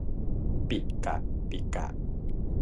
ปิกะปิกะ